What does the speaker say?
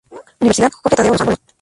Universidad Jorge Tadeo Lozano.